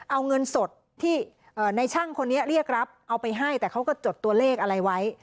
เอาเงินสดที่ในช่างคนนี้เรียกรับเอาไปให้แต่เขาก็จดตัวเลขอะไรไว้